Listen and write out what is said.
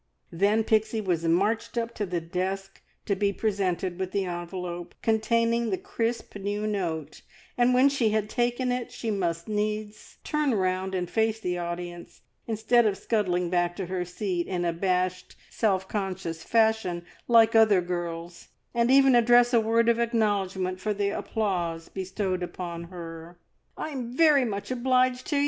Then Pixie was marched up to the desk to be presented with the envelope containing the crisp new note, and when she had taken it she must needs turn round and face the audience, instead of scuttling back to her seat in abashed, self conscious fashion like other girls, and even address a word of acknowledgment for the applause bestowed upon her. "I'm very much obliged to ye!"